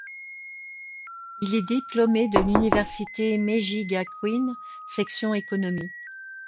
Il est diplômé de l'université Meiji Gakuin, section économie.